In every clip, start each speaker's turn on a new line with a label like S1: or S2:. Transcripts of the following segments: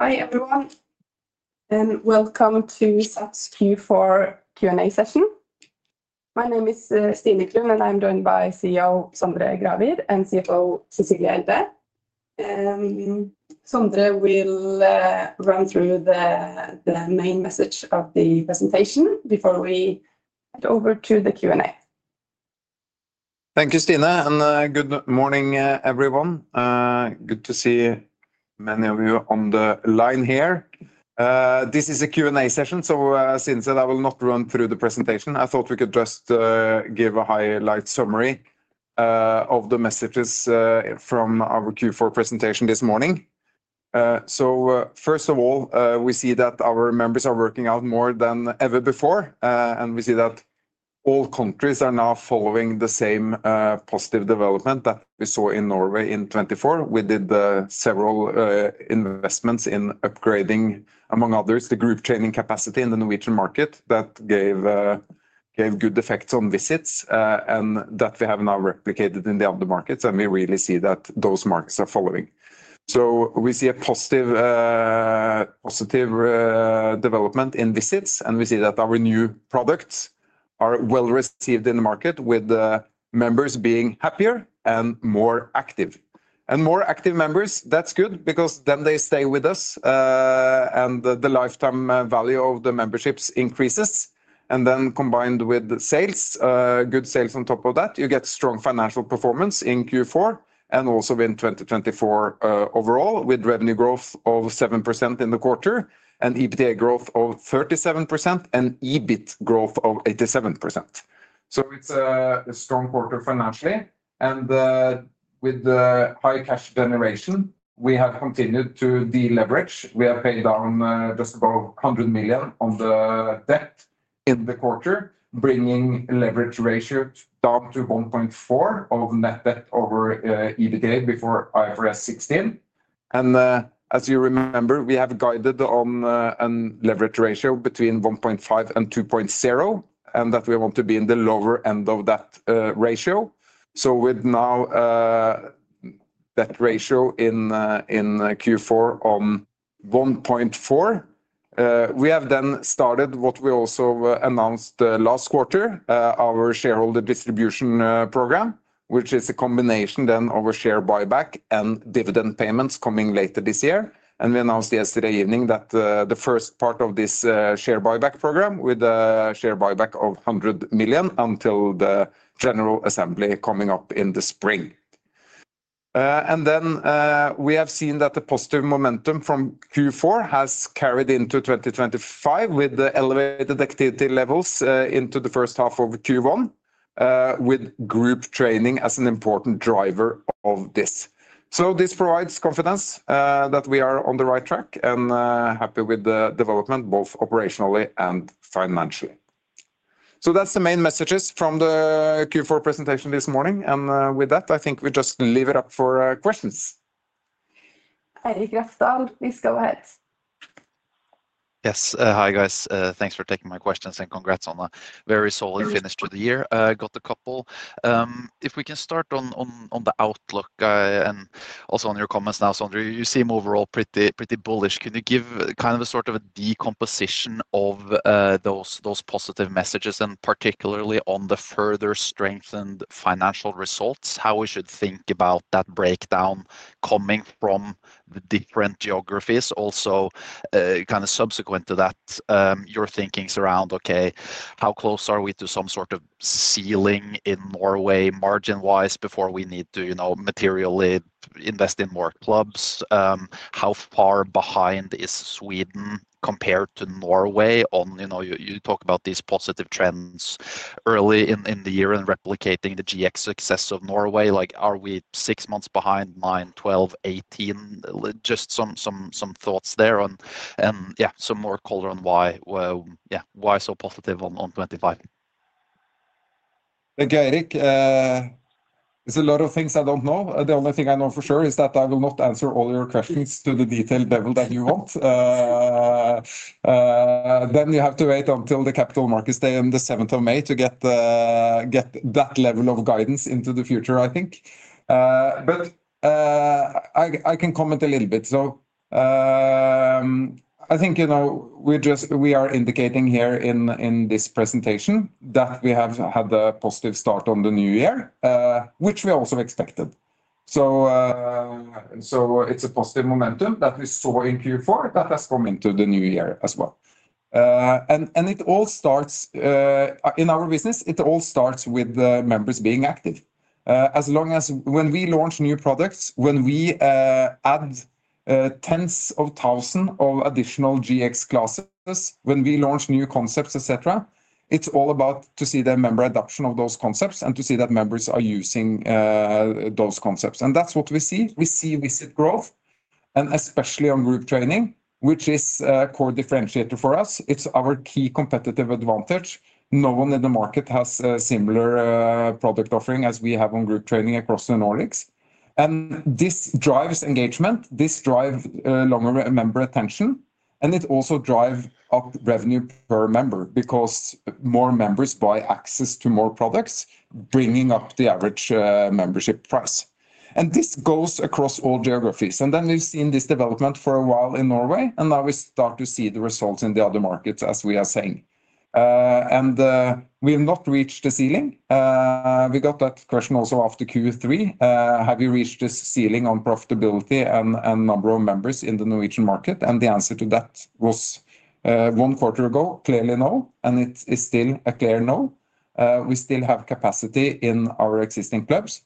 S1: Hi everyone, and welcome to SATS Q4 Q&A session. My name is Stine Klund, and I'm joined by CEO Sondre Gravir and CFO Cecilie Elde. Sondre will run through the main message of the presentation before we head over to the Q&A.
S2: Thank you, Stine. Good morning, everyone. Good to see many of you on the line here. This is a Q&A session, so since I will not run through the presentation, I thought we could just give a highlight summary of the messages from our Q4 presentation this morning. First of all, we see that our members are working out more than ever before, and we see that all countries are now following the same positive development that we saw in Norway in 2024. We did several investments in upgrading, among others, the group training capacity in the Norwegian market. That gave good effects on visits, and that we have now replicated in the other markets, and we really see that those markets are following. We see a positive development in visits, and we see that our new products are well received in the market, with members being happier and more active. More active members, that's good because then they stay with us, and the lifetime value of the memberships increases. Then combined with sales, good sales on top of that, you get strong financial performance in Q4 and also in 2024 overall, with revenue growth of 7% in the quarter, an EBITDA growth of 37%, and EBIT growth of 87%. It's a strong quarter financially. With the high cash generation, we have continued to deleverage. We have paid down just about 100 million on the debt in the quarter, bringing leverage ratio down to 1.4 of net debt over EBITDA before IFRS 16. As you remember, we have guided on a leverage ratio between 1.5 and 2.0, and that we want to be in the lower end of that ratio. With now that ratio in Q4 on 1.4, we have then started what we also announced last quarter, our shareholder distribution program, which is a combination then of a share buyback and dividend payments coming later this year. We announced yesterday evening that the first part of this share buyback program, with a share buyback of 100 million until the General Assembly coming up in the spring. We have seen that the positive momentum from Q4 has carried into 2025 with the elevated activity levels into the first half of Q1, with group training as an important driver of this. This provides confidence that we are on the right track and happy with the development both operationally and financially. That's the main messages from the Q4 presentation this morning. And with that, I think we just leave it up for questions.
S1: Eirik Refsdal, vi skal gå hit.
S3: Yes, hi guys. Thanks for taking my questions and congrats on a very solid finish to the year. Got a couple. If we can start on the outlook and also on your comments now, Sondre, you seem overall pretty bullish. Can you give kind of a sort of a decomposition of those positive messages, and particularly on the further strengthened financial results, how we should think about that breakdown coming from the different geographies? Also, kind of subsequent to that, your thinking around, okay, how close are we to some sort of ceiling in Norway margin-wise before we need to, you know, materially invest in more clubs? How far behind is Sweden compared to Norway on, you know, you talk about these positive trends early in the year and replicating the GX success of Norway. Like, are we six months behind, nine, twelve, eighteen? Just some thoughts there on, and yeah, some more color on why, yeah, why so positive on '25.
S2: Thank you, Eirik. There's a lot of things I don't know. The only thing I know for sure is that I will not answer all your questions to the detailed level that you want. Then you have to wait until the Capital Markets Day on the 7th of May to get that level of guidance into the future, I think. But I can comment a little bit. I think, you know, we are indicating here in this presentation that we have had a positive start on the new year, which we also expected. It's a positive momentum that we saw in Q4 that has come into the new year as well. It all starts in our business. It all starts with members being active. As long as when we launch new products, when we add tens of thousands of additional GX classes, when we launch new concepts, etc., it's all about to see the member adoption of those concepts and to see that members are using those concepts. That's what we see. We see visit growth, and especially on group training, which is a core differentiator for us. It's our key competitive advantage. No one in the market has a similar product offering as we have on group training across the Nordics. This drives engagement, this drives longer member retention, and it also drives up revenue per member because more members buy access to more products, bringing up the average membership price. This goes across all geographies. We've seen this development for a while in Norway, and now we start to see the results in the other markets, as we are saying. We have not reached the ceiling. We got that question also after Q3. Have you reached this ceiling on profitability and number of members in the Norwegian market? The answer to that was one quarter ago, clearly no, and it is still a clear no. We still have capacity in our existing clubs.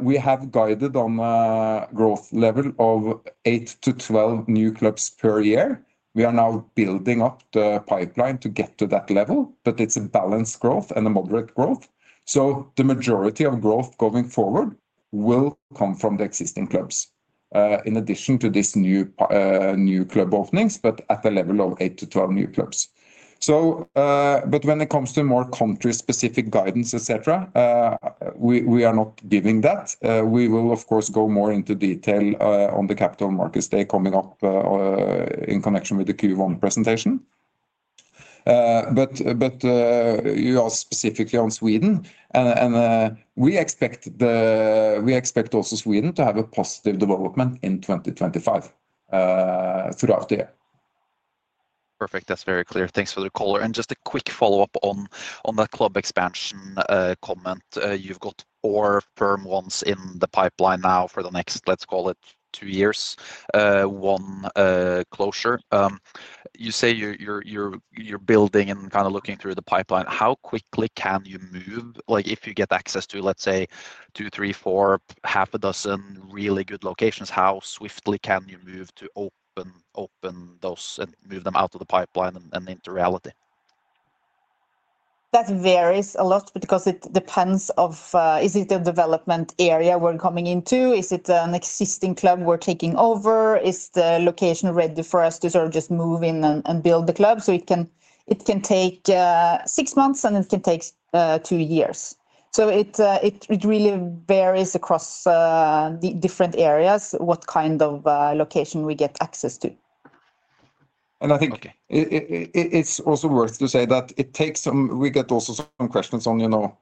S2: We have guided on a growth level of 8 to 12 new clubs per year. We are now building up the pipeline to get to that level, but it's a balanced growth and a moderate growth. So the majority of growth going forward will come from the existing clubs, in addition to these new club openings, but at the level of 8 to 12 new clubs. But when it comes to more country-specific guidance, etc., we are not giving that. We will, of course, go more into detail on the capital markets day coming up in connection with the Q1 presentation. But you asked specifically on Sweden, and we expect also Sweden to have a positive development in 2025 throughout the year.
S3: Perfect. That's very clear. Thanks for the color. Just a quick follow-up on that club expansion comment. You've got four firm ones in the pipeline now for the next, let's call it, two years, one closure. You say you're building and kind of looking through the pipeline. How quickly can you move, like if you get access to, let's say, two, three, four, half a dozen really good locations, how swiftly can you move to open those and move them out of the pipeline and into reality?
S4: That varies a lot because it depends on is it a development area we're coming into? Is it an existing club we're taking over? Is the location ready for us to just move in and build the club? So it can take six months, and it can take two years. So it really varies across the different areas what kind of location we get access to.
S2: I think it's also worth saying that it takes some time. We also get some questions on, you know,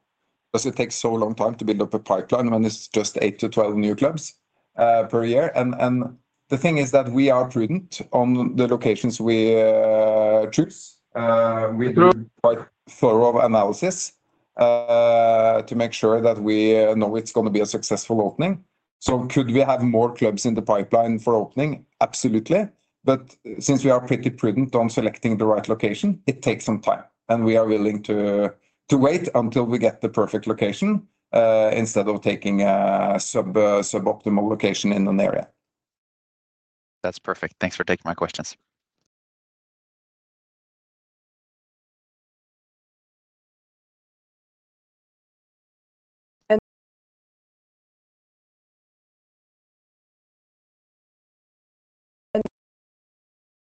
S2: does it take so long to build up a pipeline when it's just 8 to 12 new clubs per year? The thing is that we are prudent on the locations we choose. We do quite thorough analysis to make sure that we know it's going to be a successful opening. So could we have more clubs in the pipeline for opening? Absolutely. But since we are pretty prudent on selecting the right location, it takes some time. We are willing to wait until we get the perfect location instead of taking a suboptimal location in an area.
S3: That's perfect. Thanks for taking my questions.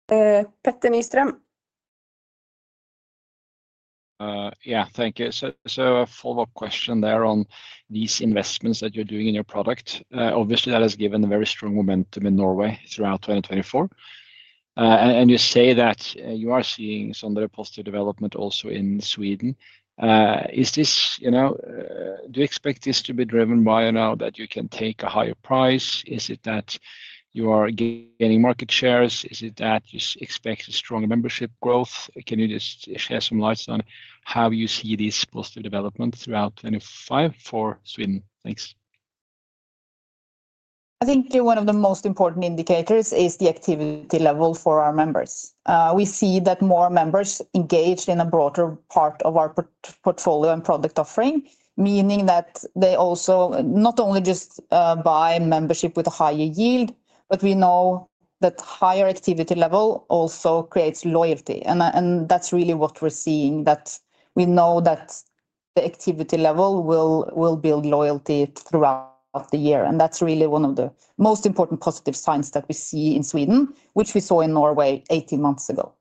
S1: Petter Nystrøm.
S5: Yeah, thank you. So a follow-up question there on these investments that you're doing in your product. Obviously, that has given a very strong momentum in Norway throughout 2024. You say that you are seeing some of the positive development also in Sweden. Is this, you know, do you expect this to be driven by now that you can take a higher price? Is it that you are gaining market shares? Is it that you expect a strong membership growth? Can you just share some lights on how you see these positive developments throughout 2025 for Sweden? Thanks.
S4: I think one of the most important indicators is the activity level for our members. We see that more members engaged in a broader part of our portfolio and product offering, meaning that they also not only just buy membership with a higher yield, but we know that higher activity level also creates loyalty. That's really what we're seeing, that we know that the activity level will build loyalty throughout the year. That's really one of the most important positive signs that we see in Sweden, which we saw in Norway 18 months ago.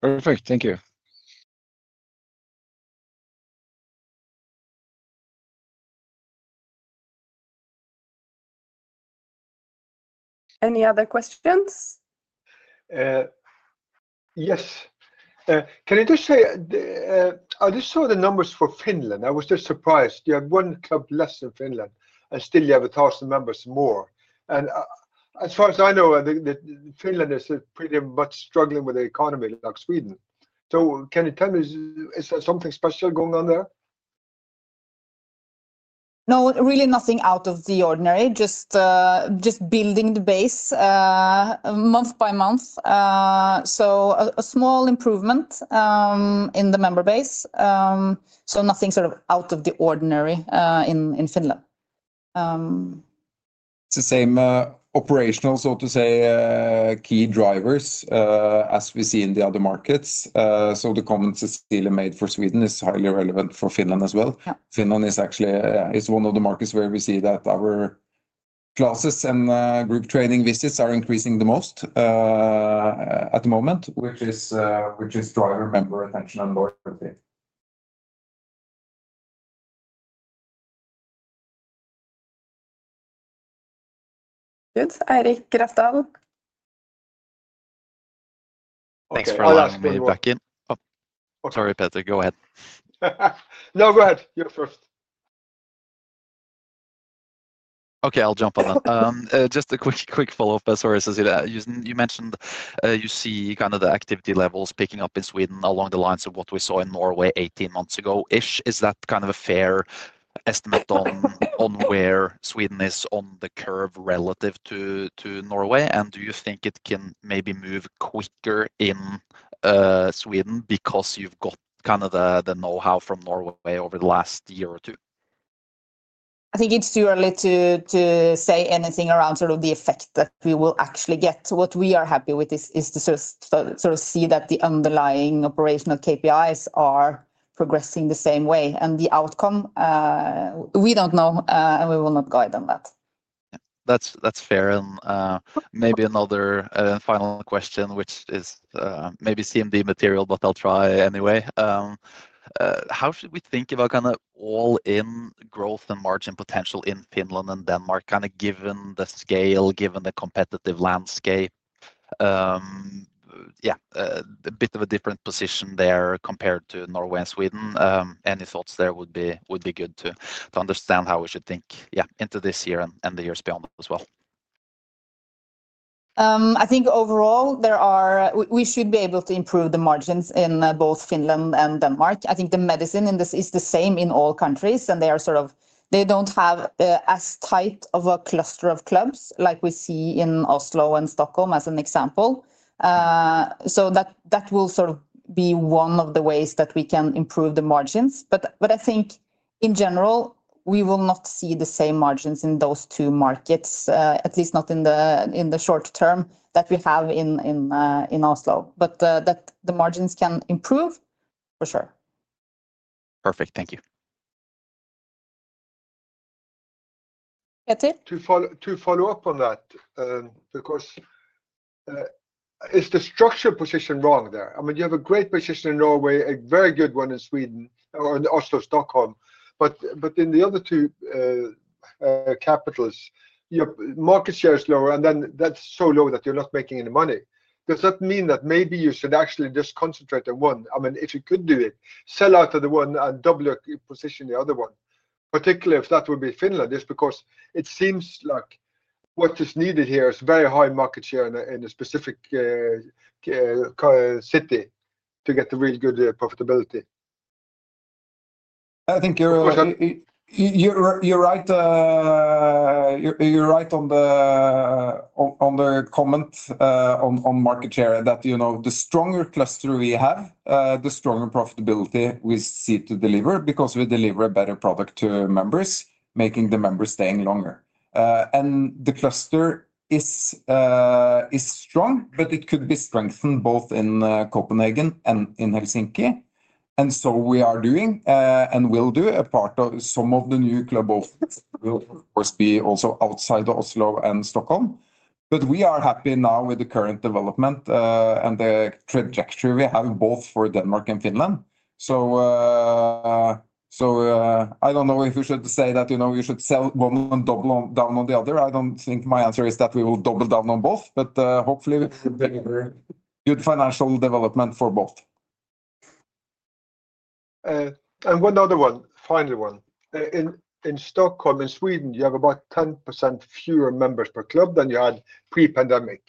S5: Perfect. Thank you.
S1: Any other questions?
S5: Yes. Can I just say, I just saw the numbers for Finland. I was just surprised. You had one club less in Finland, and still you have a thousand members more. As far as I know, Finland is pretty much struggling with the economy like Sweden. So can you tell me, is there something special going on there?
S4: No, really nothing out of the ordinary, just building the base month by month. A small improvement in the member base. Nothing sort of out of the ordinary in Finland.
S2: It's the same operational, so to say, key drivers as we see in the other markets. The comments that Cecilia made for Sweden is highly relevant for Finland as well. Finland is actually one of the markets where we see that our classes and group training visits are increasing the most at the moment, which is driving member attention and loyalty.
S1: Good. Eirik Refsdal.
S3: Thanks for having me back in. Sorry, Petter. Go ahead.
S2: No, go ahead. You're first.
S3: Okay, I'll jump on that. Just a quick follow-up. Sorry, Cecilie. You mentioned you see kind of the activity levels picking up in Sweden along the lines of what we saw in Norway 18 months ago-ish. Is that kind of a fair estimate on where Sweden is on the curve relative to Norway? Do you think it can maybe move quicker in Sweden because you've got kind of the know-how from Norway over the last year or two?
S4: I think it's too early to say anything around the effect that we will actually get. What we are happy with is to see that the underlying operational KPIs are progressing the same way. And the outcome, we don't know, and we will not guide on that.
S3: That's fair. And maybe another final question, which is maybe CMD material, but I'll try anyway. How should we think about kind of all-in growth and margin potential in Finland and Denmark, kind of given the scale, given the competitive landscape? Yeah, a bit of a different position there compared to Norway and Sweden. Any thoughts there would be good to understand how we should think, yeah, into this year and the years beyond as well.
S4: I think overall, we should be able to improve the margins in both Finland and Denmark. I think the medicine is the same in all countries, and they don't have as tight of a cluster of clubs like we see in Oslo and Stockholm as an example. So that will be one of the ways that we can improve the margins. But I think in general, we will not see the same margins in those two markets, at least not in the short term that we have in Oslo. But the margins can improve, for sure.
S3: Perfect. Thank you.
S1: Petter?
S5: To follow up on that, because is the structure position wrong there? I mean, you have a great position in Norway, a very good one in Sweden, or in Oslo, Stockholm. But in the other two capitals, your market share is lower, and then that's so low that you're not making any money. Does that mean that maybe you should actually just concentrate on one? I mean, if you could do it, sell out of the one and double your position in the other one, particularly if that would be Finland, just because it seems like what is needed here is very high market share in a specific city to get the real good profitability.
S2: I think you're right on the comment on market share, that the stronger cluster we have, the stronger profitability we see to deliver because we deliver a better product to members, making the members stay longer. The cluster is strong, but it could be strengthened both in Copenhagen and in Helsinki. We are doing and will do a part of some of the new club openings will, of course, be also outside of Oslo and Stockholm. But we are happy now with the current development and the trajectory we have both for Denmark and Finland. I don't know if we should say that you should sell one and double down on the other. I don't think my answer is that we will double down on both, but hopefully good financial development for both. One other one, final one.
S5: In Stockholm, in Sweden, you have about 10% fewer members per club than you had pre-pandemic.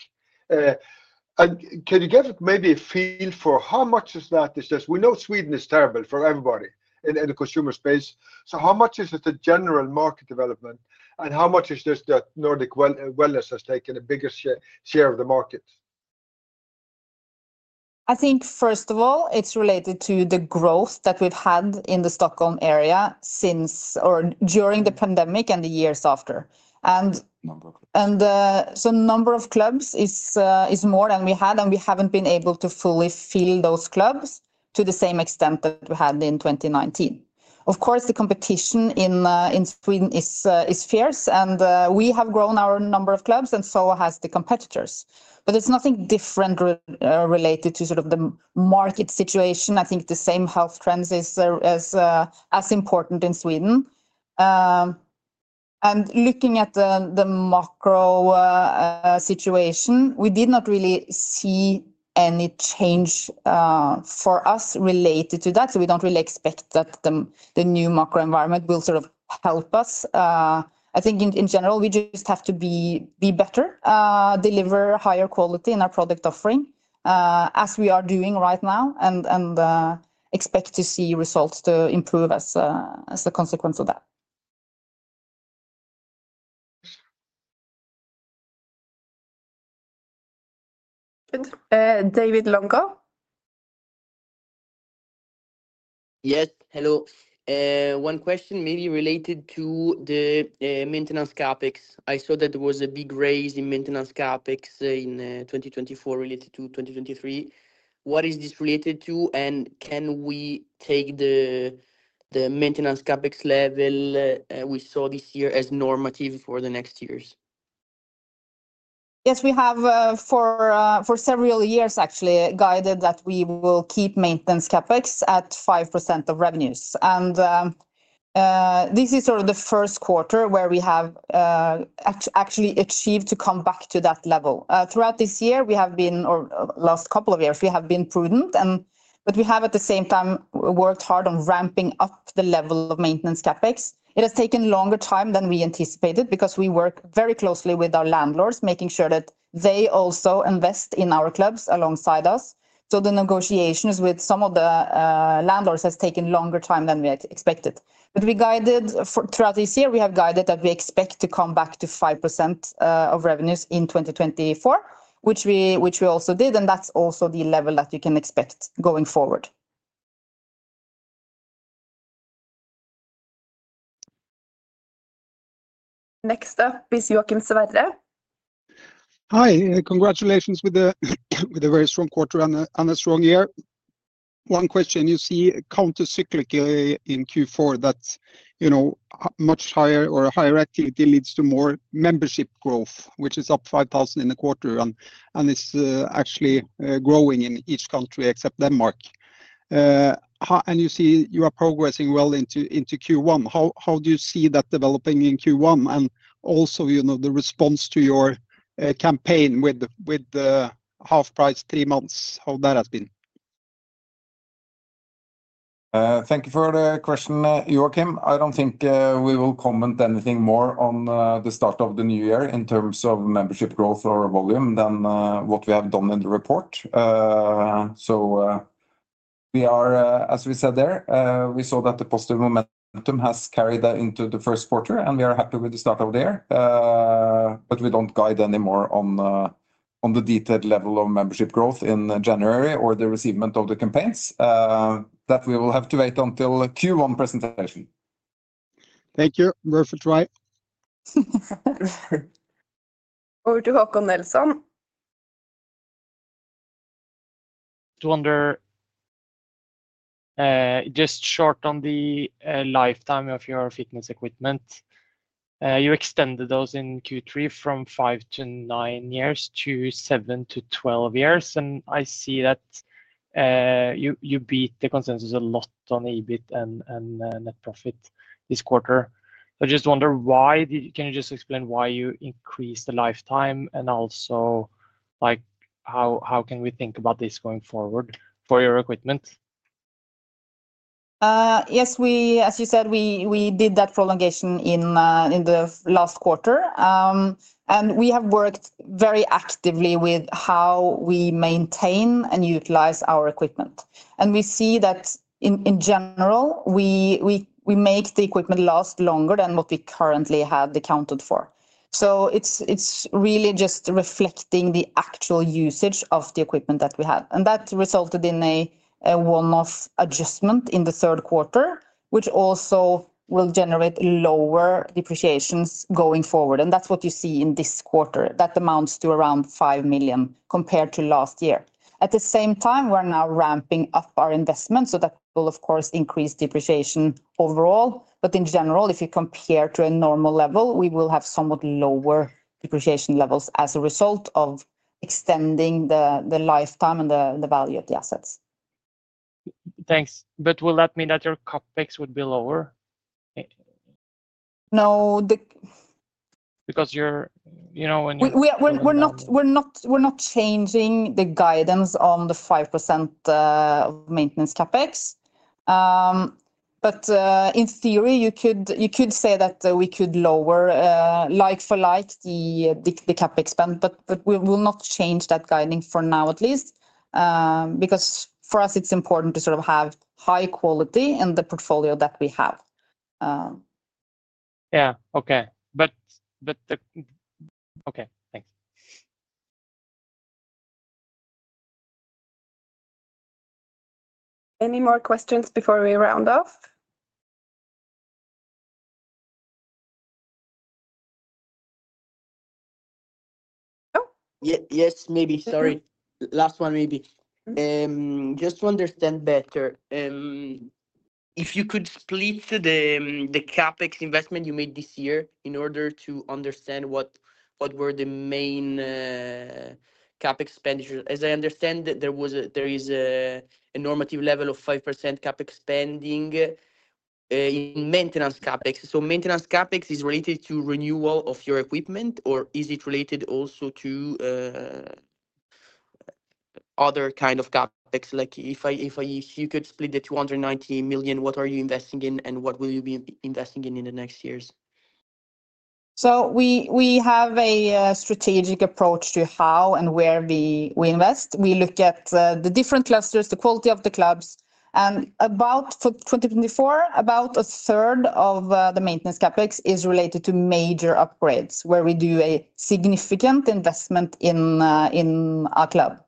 S5: Can you give maybe a feel for how much is that? It's just, we know Sweden is terrible for everybody in the consumer space. So how much is it a general market development? How much is just that Nordic Wellness has taken a bigger share of the market?
S1: I think, first of all, it's related to the growth that we've had in the Stockholm area since or during the pandemic and the years after. The number of clubs is more than we had, and we haven't been able to fully fill those clubs to the same extent that we had in 2019. Of course, the competition in Sweden is fierce, and we have grown our number of clubs, and so has the competitors. But it's nothing different related to the market situation. I think the same health trends are as important in Sweden. Looking at the macro situation, we did not really see any change for us related to that. We don't really expect that the new macro environment will help us. I think in general, we just have to be better, deliver higher quality in our product offering, as we are doing right now, and expect to see results to improve as a consequence of that. David Lonko.
S5: Yes, hello. One question maybe related to the maintenance capex. I saw that there was a big raise in maintenance capex in 2024 related to 2023. What is this related to, and can we take the maintenance capex level we saw this year as normative for the next years?
S1: Yes, we have for several years actually guided that we will keep maintenance capex at 5% of revenues. This is sort of the first quarter where we have actually achieved to come back to that level. Throughout this year, we have been, or last couple of years, we have been prudent, but we have at the same time worked hard on ramping up the level of maintenance capex. It has taken longer time than we anticipated because we work very closely with our landlords, making sure that they also invest in our clubs alongside us. The negotiations with some of the landlords have taken longer time than we expected. But we guided throughout this year, we have guided that we expect to come back to 5% of revenues in 2024, which we also did, and that's also the level that you can expect going forward. Next up is Joakim Sverre.
S5: Hi, congratulations on a very strong quarter and a strong year. One question, you see countercyclically in Q4 that, you know, much higher or higher activity leads to more membership growth, which is up 5,000 in the quarter and is actually growing in each country except Denmark. And you see you are progressing well into Q1. How do you see that developing in Q1 and also, you know, the response to your campaign with the half price three months, how that has been?
S4: Thank you for the question, Joakim. I don't think we will comment anything more on the start of the new year in terms of membership growth or volume than what we have done in the report. So we are, as we said there, we saw that the positive momentum has carried that into the first quarter, and we are happy with the start of the year. But we don't guide any more on the detailed level of membership growth in January or the achievement of the campaigns. That we will have to wait until Q1 presentation.
S5: Thank you. Perfect, right.
S1: Over to Håkon Nilsson.
S5: Just short on the lifetime of your fitness equipment. You extended those in Q3 from 5 to 9 years to 7 to 12 years. I see that you beat the consensus a lot on EBIT and net profit this quarter. I just wonder why, can you just explain why you increased the lifetime and also like how can we think about this going forward for your equipment?
S4: Yes, as you said, we did that prolongation in the last quarter. We have worked very actively with how we maintain and utilize our equipment. We see that in general, we make the equipment last longer than what we currently had accounted for. So it's really just reflecting the actual usage of the equipment that we had. That resulted in a one-off adjustment in the third quarter, which also will generate lower depreciations going forward. That's what you see in this quarter. That amounts to around 5 million compared to last year. At the same time, we're now ramping up our investments so that will, of course, increase depreciation overall. But in general, if you compare to a normal level, we will have somewhat lower depreciation levels as a result of extending the lifetime and the value of the assets.
S5: Thanks. But will that mean that your capex would be lower?
S4: No.
S3: Because you're, you know.
S4: We're not changing the guidance on the 5% of maintenance capex. But in theory, you could say that we could lower like for like the capex spend, but we will not change that guidance for now at least, because for us, it's important to have high quality in the portfolio that we have.
S5: Okay. But okay, thanks.
S1: Any more questions before we round off?
S5: Yes, maybe, sorry. Last one, maybe. Just to understand better, if you could split the capex investment you made this year in order to understand what were the main capex spendings, as I understand, there is a normative level of 5% capex spending in maintenance capex. So maintenance capex is related to renewal of your equipment, or is it related also to other kinds of capex? Like if you could split the 290 million, what are you investing in and what will you be investing in in the next years?
S4: We have a strategic approach to how and where we invest. We look at the different clusters, the quality of the clubs. And for 2024, about a third of the maintenance capex is related to major upgrades where we do a significant investment in our club.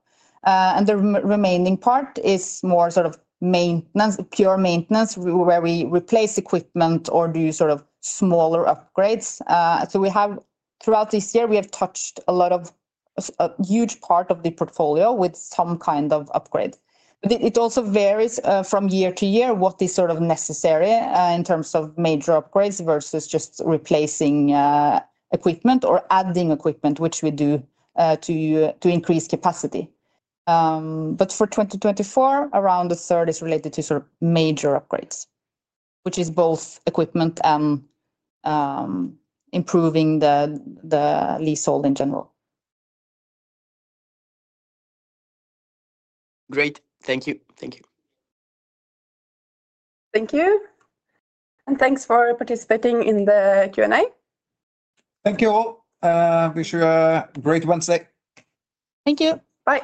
S4: And the remaining part is more sort of maintenance, pure maintenance, where we replace equipment or do smaller upgrades. We have, throughout this year, we have touched a huge part of the portfolio with some kind of upgrade. It also varies from year to year what is necessary in terms of major upgrades versus just replacing equipment or adding equipment, which we do to increase capacity. But for 2024, around a third is related to major upgrades, which is both equipment and improving the leasehold in general.
S3: Great. Thank you. Thank you.
S1: Thank you. And thanks for participating in the Q&A.
S2: Thank you all. Wish you a great Wednesday.
S1: Thank you. Bye.